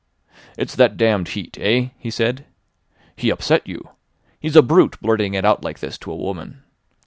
"It's that damned Heat—eh?" he said. "He upset you. He's a brute, blurting it out like this to a woman.